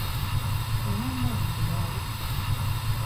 Muhammadu Buhari